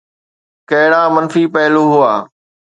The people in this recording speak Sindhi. ڪهڙا منفي پهلو هئا؟